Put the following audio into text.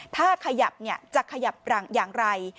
ถ้าขยับจะขยับอย่างไร